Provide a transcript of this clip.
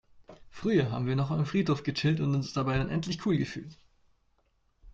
Früher haben wir noch am Friedhof gechillt und uns dabei unendlich cool gefühlt.